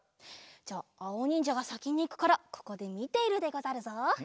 じゃあおにんじゃがさきにいくからここでみているでござるぞ！